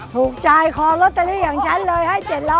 ถูกจ่ายคอลอตเตอรี่อย่างฉันเลยให้๗๐๐